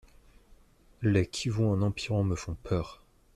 les qui vont en empirant me font peur.